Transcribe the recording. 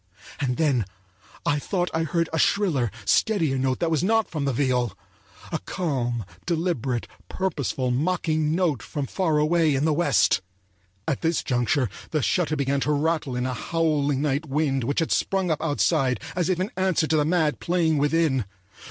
And then I thought I heard a shriller, steadier note that was not from the viol; a calm, deliberate, purposeful, mocking note from far away in the West.At this juncture the shutter began to rattle in a howling night wind which had sprung up outside as if in answer to the mad playing within.